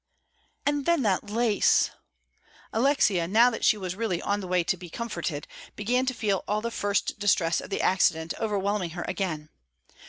"And then that lace." Alexia, now that she was really on the way to be comforted, began to feel all the first distress of the accident over whelming her again.